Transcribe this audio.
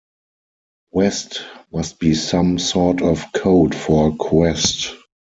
West' must be some sort of code for 'quest.